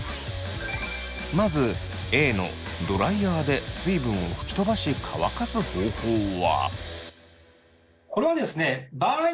まずＡのドライヤーで水分を吹き飛ばし乾かす方法は。